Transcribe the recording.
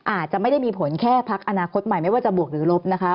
อาจจะไม่ได้มีผลแค่พักอนาคตใหม่ไม่ว่าจะบวกหรือลบนะคะ